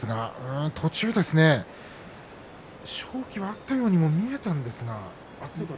途中、勝機はあったようにも見えたんですけどね。